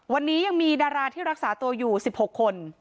วันนี้ยังมีดาราที่รักษาตัวอยู่๑๖คน